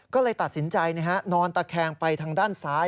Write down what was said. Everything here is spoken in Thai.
ก็เลยตัดสินใจนอนตะแคงไปทางด้านซ้าย